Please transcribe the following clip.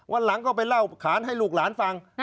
วันหลังก็ไปเล่าขานให้ลูกหลานฟัง